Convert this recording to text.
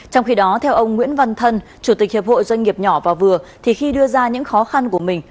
trong khi đó theo ông nguyễn văn thân chủ tịch hiệp hội doanh nghiệp nhỏ và vừa thì khi đưa ra những khó khăn của mình